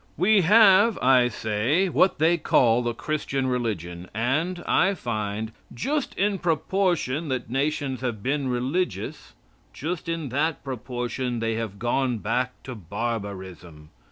We have, I say, what they call the Christian religion, and, I find, just in proportion that nations have been religious, just in the proportion they have gone back to barbarism.